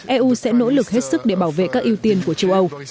eu sẽ nỗ lực hết sức để bảo vệ các ưu tiên của châu âu